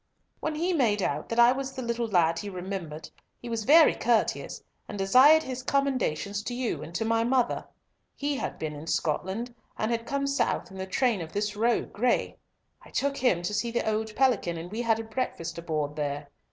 "When he made out that I was the little lad he remembered, he was very courteous, and desired his commendations to you and to my mother. He had been in Scotland, and had come south in the train of this rogue, Gray. I took him to see the old Pelican, and we had a breakfast aboard there.